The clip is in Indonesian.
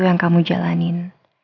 yang kamu jalanin